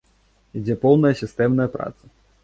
Ідзе поўная сістэмная праца.